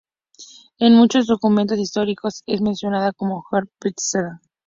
En muchos documentos históricos es mencionada como "Jódoriv-stav".